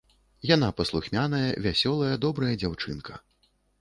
Яна паслухмяная, вясёлая, добрая дзяўчынка.